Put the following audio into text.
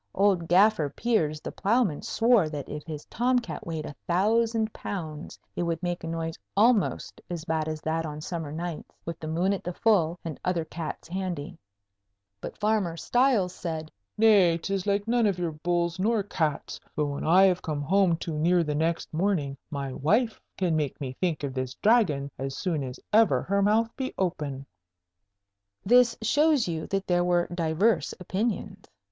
Old Gaffer Piers the ploughman swore that if his tomcat weighed a thousand pounds it would make a noise almost as bad as that on summer nights, with the moon at the full and other cats handy. But farmer Stiles said, "Nay, 'tis like none of your bulls nor cats. But when I have come home too near the next morning, my wife can make me think of this Dragon as soon as ever her mouth be open." [Illustration: Popham awaiteth the Result with Dignity] This shows you that there were divers opinions.